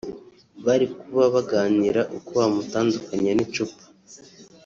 bari kuba baganira uko bamutandukanya n’icupa